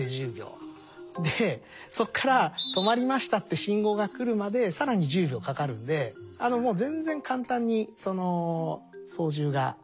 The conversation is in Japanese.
でそこから「止まりました」って信号が来るまで更に１０秒かかるんでもう全然簡単に操縦が地上からはできません。